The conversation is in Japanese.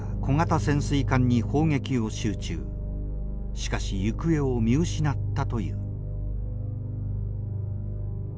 しかし行方を見失ったという。